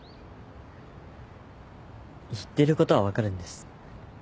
言ってることは分かるんです。